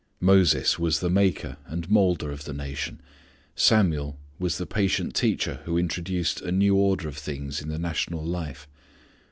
Moses was the maker and moulder of the nation. Samuel was the patient teacher who introduced a new order of things in the national life.